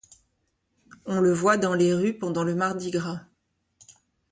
On le voit dans les rues pendant le mardi gras.